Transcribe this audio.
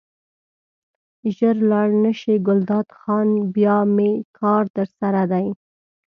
ژر لاړ نه شې ګلداد خانه بیا مې کار درسره دی.